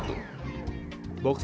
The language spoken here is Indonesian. suhaib ini kan